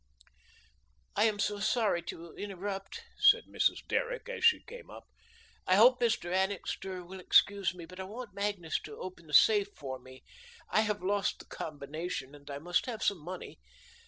"I am so sorry to interrupt," said Mrs. Derrick, as she came up. "I hope Mr. Annixter will excuse me, but I want Magnus to open the safe for me. I have lost the combination, and I must have some money.